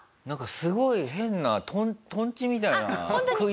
なんかすごい変なとんちみたいな。